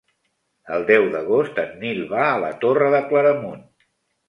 El deu d'agost en Nil va a la Torre de Claramunt.